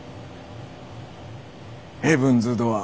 ヘブンズ・ドアー。